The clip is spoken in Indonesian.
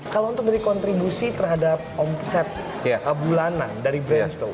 kalau untuk beri kontribusi terhadap omset bulanan dari brandstow